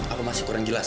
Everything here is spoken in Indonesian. apa masih kurang jelas mas